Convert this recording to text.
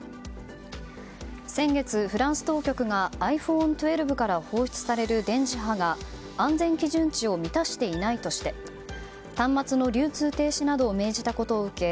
先月、フランス当局がｉＰｈｏｎｅ１２から放出される電磁波が安全基準値を満たしていないとして端末の流通停止などを命じたことを受け